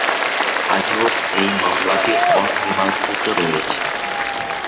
আজও যেই মামলাটি অমীমাংসিত রয়েছে।